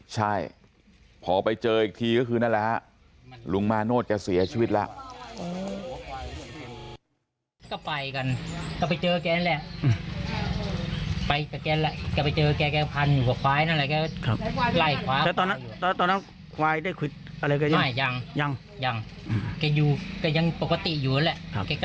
ใช่พอไปเจออีกทีก็คือนั่นแหละฮะลุงมาโนธแกเสียชีวิตแล้ว